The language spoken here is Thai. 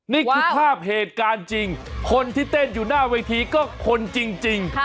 นี่คือภาพเหตุการณ์จริงคนที่เต้นอยู่หน้าเวทีก็คนจริง